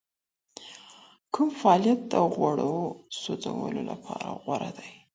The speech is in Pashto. کوم فعالیت د غوړو سوځولو لپاره غوره دی؟